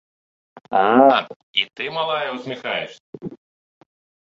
А, і ты, малая, усміхаешся!